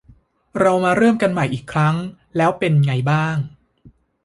เรามาเริ่มกันใหม่อีกครั้งแล้วเป็นไงบ้าง ?